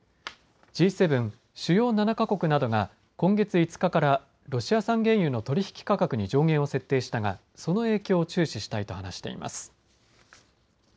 Ｇ７・主要７か国などが今月５日からロシア産原油の取引価格に上限を設定したがその影響を注視したいと話しています。